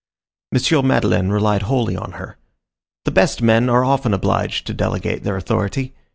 M. Madeleine relied wholly on her. The best men are often obliged to delegate their authority.